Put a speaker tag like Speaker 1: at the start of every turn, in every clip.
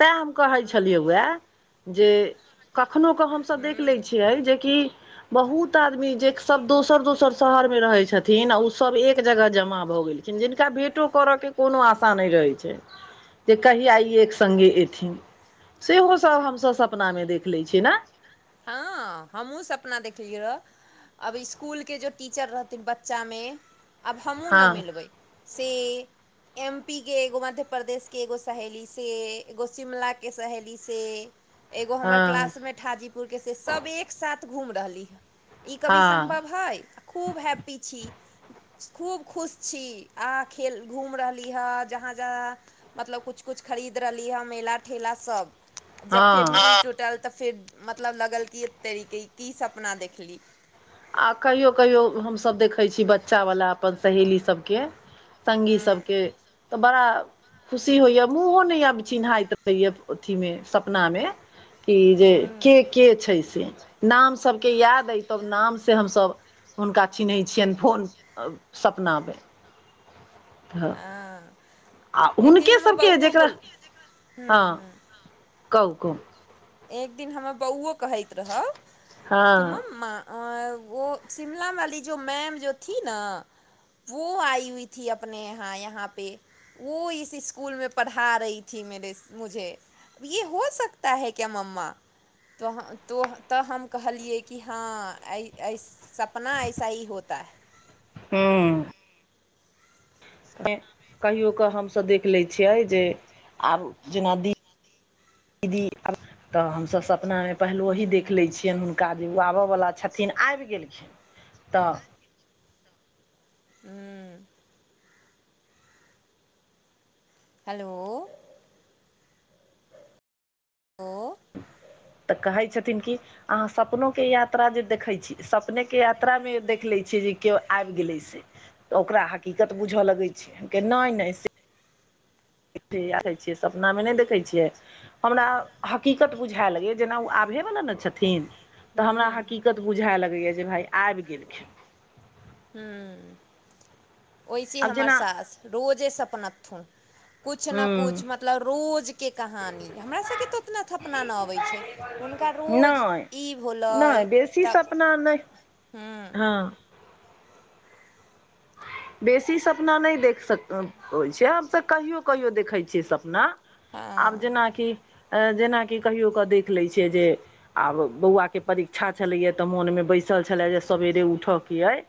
Speaker 1: सएह हम कहै छलियै वा जे हम कखनो क हम स देख लै छियै जेकी बहुत आदमी जेकी सब दोसर दोसर शहर मे रहै छथिन आ उ सब एक एक जगह जमा भऽ गेलखिन जिनका भेटो करय के कोनो आशा नै रहै छै जे कहिआ ई एक संगे एथिन सेहो सब हमसब सपनामे देख लै छियै नाय
Speaker 2: हँ हमहूँ सपना देखलियै रहए आब इस्कुलके जे टीचर रहथिन बच्चामे आब हमहूँ
Speaker 1: हँ
Speaker 2: न मिलबै से एम पी के एगो मध्य प्रदेश के एगो सहेली से एगो शिमलाके सहेली से एगो हमर
Speaker 1: हँ
Speaker 2: क्लासमे ठाजीपुरके से सब एकसाथ घूम रहली हँ ई कवि
Speaker 1: हँ
Speaker 2: सम्भव हइ आ खूब हैप्पी छी खूब खुश छी आहाँ खेल घूम रहली हँ जहाँ जहाँ मतलब कुछ कुछ खरीद रहली हँ मेला ठेला सब जब फेर
Speaker 1: हँ
Speaker 2: नाथ टूटल तऽ फेर मतलब लगल की तरीके की सपना देखली
Speaker 1: आ कहियो कहियो हमसब देखै छी बच्चावला अपन सहेली सबके संगी
Speaker 2: हूँ
Speaker 1: सबके तऽ बड़ा खुशी होइए मूॅंहो नै आब चिन्हाइत रहैया अथीमे सपनामे कि जे
Speaker 2: हूँ
Speaker 1: के के छैय से नाम सबके याद अइ तब नाम से हम सब हुनका चिन्है छियनि फोन सपनामे तऽ
Speaker 2: हँ
Speaker 1: आ
Speaker 2: एक दिन
Speaker 1: हुनके
Speaker 2: हमर
Speaker 1: सभके
Speaker 2: बाबूहो
Speaker 1: जकरा
Speaker 2: बोल हूँ हूँ
Speaker 1: कहु कहु
Speaker 2: एक दिन हमर बौओ कहैत रहब कि
Speaker 1: हँ
Speaker 2: मम माँ [unintelligible] [unintelligible] [unintelligible] [unintelligible] तऽ हम कहलियै कि हँ [unintelligible] ऐस [unintelligible]
Speaker 1: हूँ [unintelligible] कहियो कऽ हम सब देख लै छियै जे आब जेना दी [inaudible] दी तऽ हम सभ सपना में पहिलोही
Speaker 2: हम्म
Speaker 1: देख लै छियन हुनका जे ओ आब वला छथिन आइब गेलखिन [inaudible] तऽ
Speaker 2: [unintelligible] हेलो [inaudible] ओ
Speaker 1: तऽ कहै छथिन कि अहाँ सपनो केँ यात्रा जे देखै छी सपने केँ यात्रा में देखलै छियै जे केओ आइब गेलै से तऽ ओकरा हकीकत बुझ लगै छै केँ नै नै से [unintelligible] सपना में नै देखै छियै हमरा हकीकत बुझाय लगैय जेना ओ आभै वला न छथिन तऽ हमरा
Speaker 2: हम्म
Speaker 1: हकीकत बुझाय लगैए जे भाय आइब गेलखिन
Speaker 2: हु [inaudible] वैसे
Speaker 1: आब
Speaker 2: हमर
Speaker 1: जेना
Speaker 2: सास रोजे सपनेथु कुछ न
Speaker 1: हूँ
Speaker 2: कुछ मतलब रोज केँ कहानी हमरा सब केँ तऽ उतना थपना ना अबै छै हुनका रोज
Speaker 1: नहि
Speaker 2: ई
Speaker 1: नहि
Speaker 2: भोलैय
Speaker 1: बेसी
Speaker 2: तऽ
Speaker 1: सपना नहि
Speaker 2: [unintelligible]
Speaker 1: हँ बेसी सपना नै देख सक होइ छै हम सभ कहियो कहियो देखै छियै सपना आब
Speaker 2: हँ
Speaker 1: जेनाकि ए जेनाकि कहियो कऽ देख लै छियै जे आब बौआ केँ परीक्षा छलै ए तऽ मोन में बैसल छला जे सवेरे उठे केँ अइ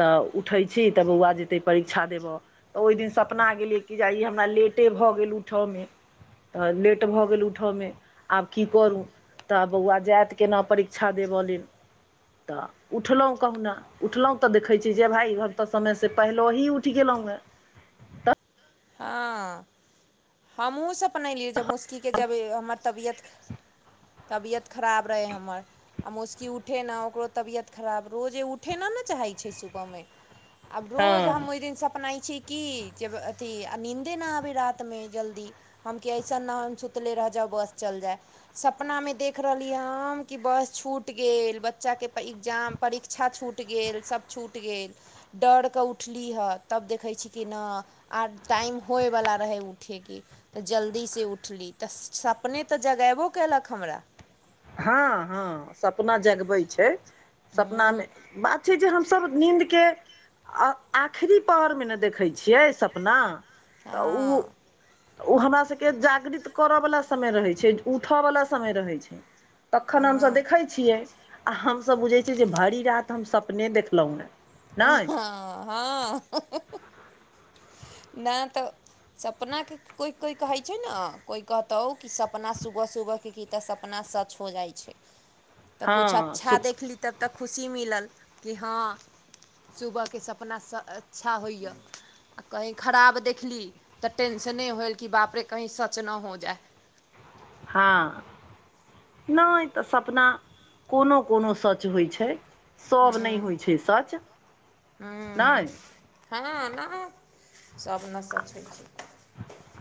Speaker 1: तऽ उठै छी तऽ बौआ जेतै परीक्षा देब तऽ ओइ दिन सपना गेलियै कि जे ई हमरा लेटे भऽ गेल उठ में तऽ लेट भऽ गेल उठ में आब की करू तऽ बौआ जैत केना परीक्षा देब लेल तऽ उठलौं कहुना उठलौं तऽ देखै छी जे भाइ भ तऽ समय से पहिलोही उठ गेलौए
Speaker 2: हँ हमहूँ सपनेलयै जब मुस्की केँ जब हमर तबियत [inaudible] तबियत खराब रहै हमर आ मुस्की उठे न ओकरो तबियत खराब रोजे उठे न ने चाहै छै सुबह में आब रोज हम
Speaker 1: हँ
Speaker 2: ओय दिन सपनै छी कि जे ब अथी आ नीन्दे ना आबै रात में जल्दी हम कि अइसन नै है हम सुतले रह जाउ बस चल जाइ सपना में देख रहलि हम कि बस छूटि गेल बच्चा केँ एग्जाम परीक्षा छूट गेल सब छूट गेल डर कऽ उठली हऽ तब देखै छी कि ना आर टाइम होइ वला रहै उठे केँ तऽ जल्दी से उठली तऽ सपने तऽ जगेबो कयेलक हमरा
Speaker 1: हँ हऽ ह सपना जगबै छै सपना में
Speaker 2: हूँ
Speaker 1: बात छै जे हम सभ नीन्द केँ आ आखिरी पहर में न देखै छियै सपना तऽ उ
Speaker 2: हँ
Speaker 1: तऽ ओ हमरा सभ केँ जागृत कर वला समय रहै छै उठ वला समय रहै छै तखन हम सभ
Speaker 2: हँ
Speaker 1: देखैत छियै आ हम सभ बुझै छियै जे भरि रात हम सपने देखलौ है
Speaker 2: [unintelligible] ने तऽ सपना केँ कोइ कोइ कहै छै न कोइ कहतौ कि सपना सुबह सुबह केँ की तऽ सपना सच हो जाइ छै [inaudible] तऽ
Speaker 1: हँ
Speaker 2: कुछ अच्छा
Speaker 1: सु
Speaker 2: देखली तब तक खुशी मिलल कि हँ सुबह केँ सपना स अच्छा होए आ कहीँ खराब देखली तऽ टेंशने होइल कि बाप रे कहीँ सच ना हो जाइ
Speaker 1: हँ नै तऽ सपना कोनो कोनो सच होइ छै सभ नै होइ छै सच [inaudible] नै
Speaker 2: [unintelligible] सब न सच होय छै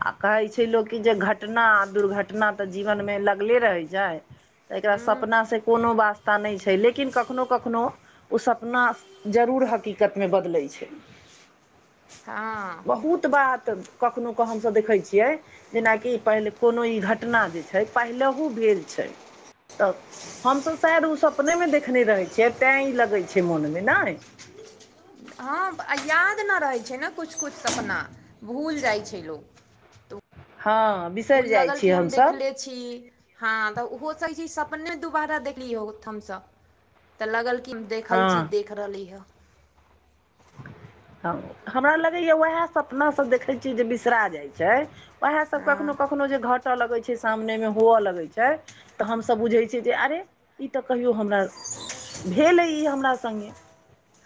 Speaker 1: आ कहै छै लोक की जे घटना आ दुर्घटना तऽ जीवन में लगले रहै छै तऽ एकरा
Speaker 2: हूँ
Speaker 1: सपना स कोनो वास्ता नै छै लेकिन कखनो कखनो ओ सपना जरूर हकीकत में बदलै छै
Speaker 2: हँ
Speaker 1: [inaudible] बहुत बात कखनो कऽ हम सभ देखै छियै जेना कि पहिले कोनो ई घटना जे छै पहिलहु भेल छै तऽ हम सभ शायद ओ सपने में देखने रहै छियै तै ई लगै छै मोन में नै
Speaker 2: हँ याद न रहै छै न किछु किछु सपना भूल जाइ छै लोक तऽ
Speaker 1: हँ बिसैर
Speaker 2: कुल
Speaker 1: जाइ
Speaker 2: लगल
Speaker 1: छी
Speaker 2: कि
Speaker 1: हम सब
Speaker 2: देखले छी हँ तऽ [unintelligible] छै सपने दुबारा देखली हम सब तऽ लगल की देखल
Speaker 1: हँ
Speaker 2: चीज देख रहली हऽ
Speaker 1: तऽ हमरा लगै यऽ उहै सपना सब देखै छियै जे बिसरा जाइ छै वहै सब कखनो
Speaker 2: हँ
Speaker 1: कखनो। कखननो जे घट लगै छै सामने में हुवअ लगैत छै तऽ हम सभ बुझै छियै जे अरे इ तऽ कहियौ हमरा भेल ऐ इ हमरा संगे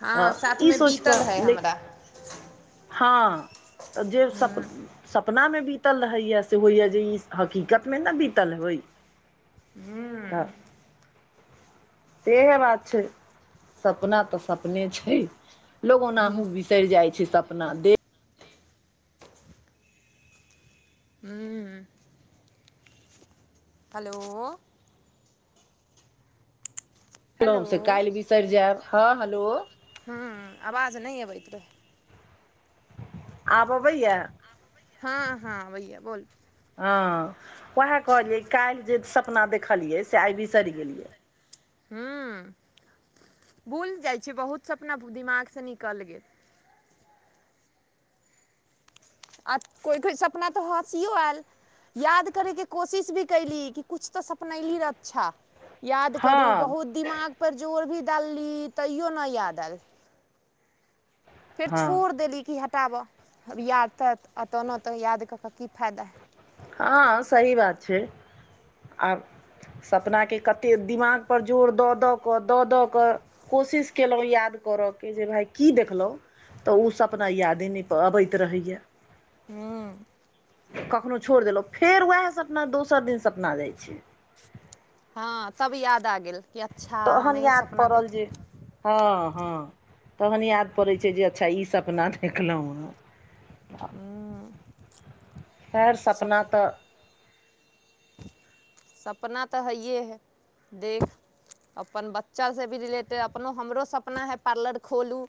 Speaker 2: हँ
Speaker 1: तऽ इ
Speaker 2: साथमे
Speaker 1: सोच
Speaker 2: बीतल
Speaker 1: तऽ
Speaker 2: है
Speaker 1: [unintelligible]
Speaker 2: हमरा
Speaker 1: हँ [inaudible] तऽ जे सप
Speaker 2: हूँ
Speaker 1: सपना में बीतल रहैए से होइए जे ई हकीकत में न बीतल होय
Speaker 2: हू
Speaker 1: तऽ सेहे बात छै [inaudible] सपना तऽ सपने छै लोग अनाहुँ [unintelligible] जाय छै सपना दे
Speaker 2: हू हलो हेलो
Speaker 1: [unintelligible] स काइल बिसैर जाइब ह हेलो
Speaker 2: हु आवाज नै अबैत रहै
Speaker 1: आब अबै यऽ
Speaker 2: हँ हँ आबै बोल
Speaker 1: हँ वैह कहलियै काल्हि जे सपना देखलियै से आइ बिसेर गेलियै
Speaker 2: हूँ [inaudible] भूल जाय छै बहुत सपना दिमाग स निकल गेल आ कोइ कोइ सपना तऽ हँसिओ ऐल याद करैके कोशिश भी कैली कि किछु तऽ सपनैली र अच्छा। याद करू
Speaker 1: हँ
Speaker 2: बहुत दिमाग पर जोर भी डालली तैयो नै याद ऐल फेर
Speaker 1: हँ
Speaker 2: छोड़ि देली कि हटाब याद तत आ तऽ ना तऽ याद कऽ कऽ की फायदा
Speaker 1: हँ सही बात छै [inaudible] आब सपना केँ कते दिमाग पर जोर दऽ दऽक दऽ दऽक। कोशिश कलौ याद करै केँ जे भाय की देखलौ तऽ उ सपना यादे नय पऽ अबैत रहैये
Speaker 2: हुँ
Speaker 1: कखनौ छोड़ देलौ फेर उएह सपना दोसर दिन सपना जाय छै
Speaker 2: हँ तब याद आ गेल कि अच्छा
Speaker 1: तहन
Speaker 2: हमे
Speaker 1: याद
Speaker 2: सपना
Speaker 1: पड़ल
Speaker 2: देखली।
Speaker 1: जे हँ हँ तहन याद पड़ै छै। जे अच्छा ई सपना देखलौं हँ। खैर
Speaker 2: सप
Speaker 1: सपना त।
Speaker 2: सपना तऽ हइए हइ देख। अपन बच्चासे भी रिलेटेड अपनो हमरो सपना हइ पार्लर खोलू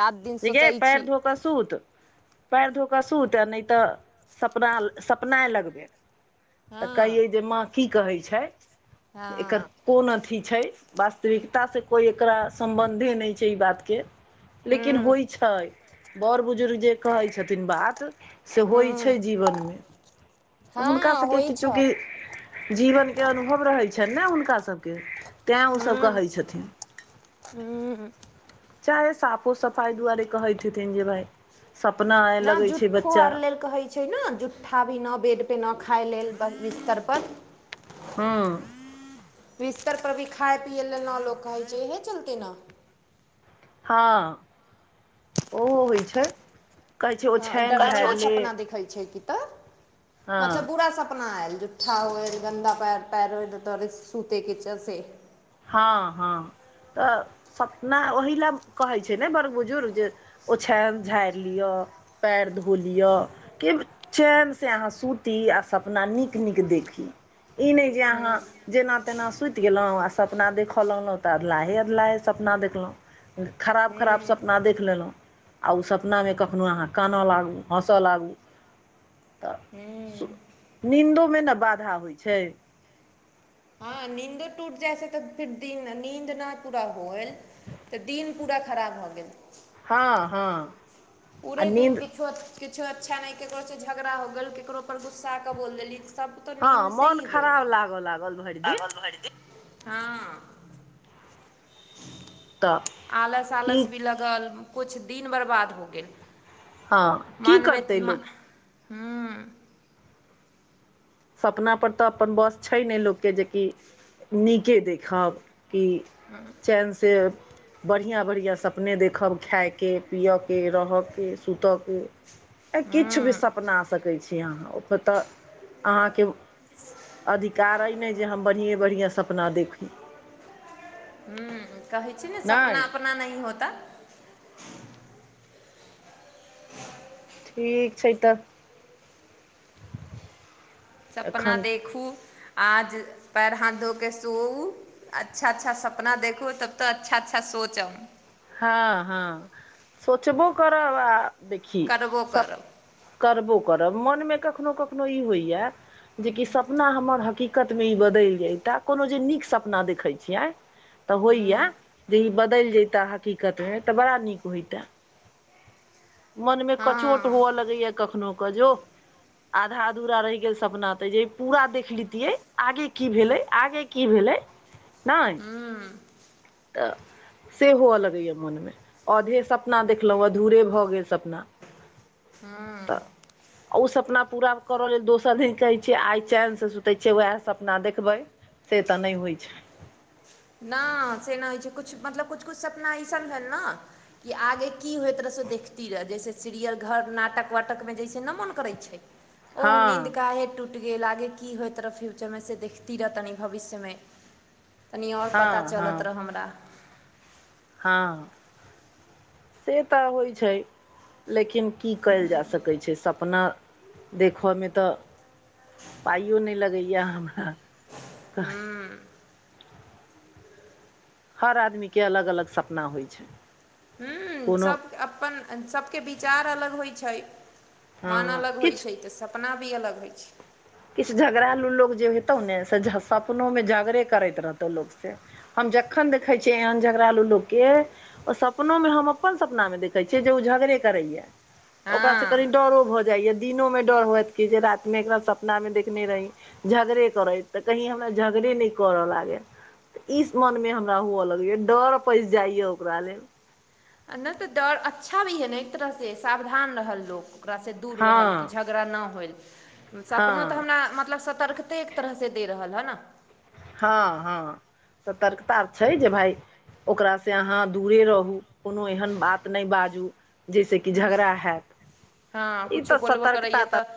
Speaker 2: रात दिन
Speaker 1: गे
Speaker 2: सोचैय
Speaker 1: पैर
Speaker 2: छी
Speaker 1: धो कऽ सुत पएर धोक कऽ सुत आ नय तऽ सपना सपनाइ लगबै। तऽ
Speaker 2: हँ
Speaker 1: कहियै जे माँ कि कहै छै एकर।
Speaker 2: हँ
Speaker 1: कोन अथी छै वास्तविकता से कोइ एकरा सम्बन्धे नय छै ई बातके लेकिन
Speaker 2: हूँ
Speaker 1: होइ छै बड़ बुजुर्ग जे कहै छथिन बात से होइ
Speaker 2: हूँ
Speaker 1: छै जीवन मे तऽ हुनका
Speaker 2: हँ
Speaker 1: सबके
Speaker 2: होइ
Speaker 1: की
Speaker 2: छै
Speaker 1: चूकी जीवन के अनुभव रहै छैन ने हुनका सब के तैँ ओसब कहैत छथिन
Speaker 2: हुँ
Speaker 1: चारे साफो सफाइ दुआरे कहैत हेथिन जे भाइ। सपना
Speaker 2: ना जूठो आर लेल कहै छै न जुठा भी न बेडपर न खाय लेल बस बिस्तर पर
Speaker 1: हँ
Speaker 2: बिस्तर पर भी खाय पिये लेल न लोक कहै छै इहे चलते न
Speaker 1: हँ ओहो होइ छै कहै छै
Speaker 2: हँ
Speaker 1: ओछानि
Speaker 2: डरावना
Speaker 1: झाड़ि ले
Speaker 2: सपना देखै छै कि तऽ मतलब
Speaker 1: हँ
Speaker 2: बुरा सपना आयल जे ठा होय गन्दा पैर- पैर ओय तऽ तोरे सूते किजैै से
Speaker 1: हँ हँ तऽ सपना ओहि लए कहै छै ने बड़ बुजुर्ग जे ओछानि झाड़ि लिअ पएर धो लिअ की चेनसे अहाँ सुती आ सपना नीक नीक देखी। ई नय जे अहाँ जेना तेना सुति गेलौं आ। सपना देखऽ लगलौं तऽ अदलाहे अदलाहे सपना देखलौं खराब खराप सपना देख लेलौं। आ उ सपनामे कखनहु अहाँ कानय लागू हँसय लागू तऽ
Speaker 2: हूँ
Speaker 1: सु नीन्दोमे न बाधा होइ छै।
Speaker 2: हँ नीन्दे टूट जाइ छै तऽ फिर दिन नींन्द न पूरा होएल तऽ दिन पूरा खराब भऽ गेल
Speaker 1: हँ हँ आ
Speaker 2: पूरे दिन
Speaker 1: नीन्द
Speaker 2: किछो अछ् किछो अच्छा नय ककरो से झगड़ा हो गेल केकरो पर गुस्सा के बोल देली सब तऽ
Speaker 1: हँ
Speaker 2: नींद
Speaker 1: मोन
Speaker 2: सेही
Speaker 1: खराब लागऽ लागल भरि दिन
Speaker 2: होयत हँ
Speaker 1: तऽ
Speaker 2: आलस
Speaker 1: की
Speaker 2: -आलस भी लग ल कुछ दिन बर्बाद हो गेल।
Speaker 1: हँ की
Speaker 2: मनमे
Speaker 1: करतै
Speaker 2: मन
Speaker 1: लोक
Speaker 2: हूँ
Speaker 1: सपना पर तऽ अपन बस छै नय लोक के जेकि नीके देखब कि
Speaker 2: हूँ
Speaker 1: टेनसेब बढ़िआँ बढ़िआँ सपने देखब खाय के पिय के रह के सुत के
Speaker 2: [unintelligible]
Speaker 1: आ किछ भी सपना आ सकै छी अहाँ ओत तऽ अहाँ के अधिकार अइ ने जे हम बढ़िेयाँ बढ़ियाँ सपना देखी।
Speaker 2: हू कहै छी ने सपना
Speaker 1: नहि
Speaker 2: उपना नहि होता
Speaker 1: ठीक छै तऽ
Speaker 2: सपना
Speaker 1: एखन
Speaker 2: देखू आज पैर हाथ धो कऽ सू अच्छा -अच्छा सपना देखू तब तऽ अच्छा- अच्छा सोचम
Speaker 1: हँ हँ सोचबो करब आ देखि
Speaker 2: करबो करब
Speaker 1: करबो करब मनमे कखनो कखनो ई होइएा जे कि सपना हमर हकीक द्कत मे ई बदलि जता कोनो जे नीक सपना देखै छियै तऽ होइया जे ई बदल दैल जइता हकीकत में त बड़ा निक होयता मन में कचोट
Speaker 2: हँ
Speaker 1: हुअ लगैय कखनो क जो।
Speaker 2: [unintelligible]
Speaker 1: आधा धूरा रहि गेल सपना ते जे पूरा देख लेतियै आगे की भेलै आगे की भेलै नय
Speaker 2: हूँ
Speaker 1: त से हुअ लगैया मोन में अधे सपना देखलो अधूरे भऽ गेल सपना।
Speaker 2: हँ
Speaker 1: आ उ सपना पूरा कर लेल दोसर दिन कहै छियै आय चैन स सुतै छियै उएह सपना देखबै से तऽ नय होइ छै।
Speaker 2: न से नय होइ छै किछु मतलब किछु किछु सपना अइसन भेल न की आगे की होइत रहे से देखती र जैसे सीरियल घर नाटक वाटक में जैसे न मन करेछै। [unintelligible]
Speaker 1: हँ
Speaker 2: ओहो नींन्द काहे टुट गेल आगे की होइत रहै फ्यूचरमे से देखती रह तनि भविष्यमे तनि और
Speaker 1: हँ
Speaker 2: पता
Speaker 1: हँ
Speaker 2: चलत र हमरा।
Speaker 1: हँ से तऽ होइ छै लेकिन की कयल जा सकै छै सपना देख में तऽ पाइयो नै लगैया हमरा
Speaker 2: हूँ
Speaker 1: हर आदमी के अलग अलग सपना होइ छै
Speaker 2: हूँ
Speaker 1: कोनो
Speaker 2: सब अपन सबके विचार अलग होइ छै
Speaker 1: हँ
Speaker 2: मान अलग होइ
Speaker 1: किछु
Speaker 2: छै तऽ सपना भी अलग होइ छै
Speaker 1: किछ झगड़ालू लोग जे हेतौ ने से सपनो में झगड़े करैत रहतौ लोक से हम जखन देखै छियै एहन झगड़ालू लोक के ओ सपनो मे हम अपन सपना न देखै छियै जे ओ झगड़े करैए ओकरा स कनि
Speaker 2: हँ
Speaker 1: डरो भऽ जाइया दिनों में डर होइत कि जे रात में एकर सप ना में देखने रही झगड़े करैत तऽ कहीं हमरा झगड़े नहि करअ लागै ईस मन मे हमरा हुअ लगैय डर पैस जाइए ओकरा लेल
Speaker 2: आ न तऽ डर अच्छा भी है ने एक तरह से सावधान रहल लोक ओकरा से दूर
Speaker 1: हँ
Speaker 2: रहल कि झगड़ा ओकरा न होइल सपनो
Speaker 1: हँ
Speaker 2: तऽ हमरा मतलब सतर्कते एक तरह से दे रहल ह ने
Speaker 1: हँ हँ सतर्कता छै जे भाय ओकरा से अहाँ दूरे रहू कोनो एहन बात नय बाजू जैसऽ कि झगड़ा
Speaker 2: हँ
Speaker 1: हैत ई
Speaker 2: किछु
Speaker 1: तऽ
Speaker 2: बोलबो करैए
Speaker 1: सतर्कता तऽ